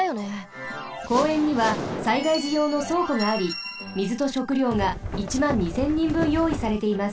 公園には災害じようのそうこがあり水と食料が１２０００人分よういされています。